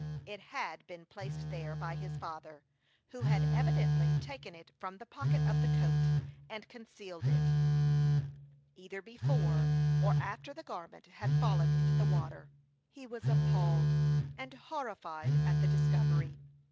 It had been placed there by his father, who had evidently taken it from the pocket of the coat, and concealed it, either before or after the garment had fallen into the water. He was appalled and horrified at the discovery.